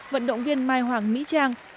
vận động viên mai hoàng mỹ trang